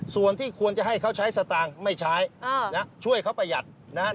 ส่วนที่ควรจะให้เขาใช้สตางค์ไม่ใช้ช่วยเขาประหยัดนะครับ